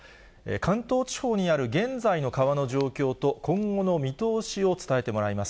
関東地方にある現在の川の状況と、今後の見通しを伝えてもらいます。